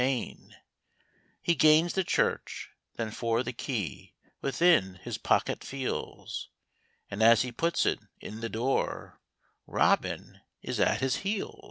188 He gains the church ; then for the key Within his pocket feels, And as he puts it in the door, Robin is at his heels.